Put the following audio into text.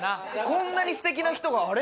こんなにすてきな人があれ？